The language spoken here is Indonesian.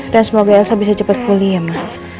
dan semoga elsa bisa cepet pulih ya ma